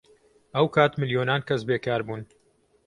ئەو کات ملیۆنان کەس بێکار بوون.